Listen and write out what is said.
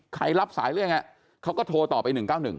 รับสายหรือยังไงเขาก็โทรต่อไป๑๙๑